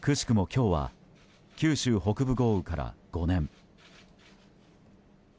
今日は九州北部豪雨から５年。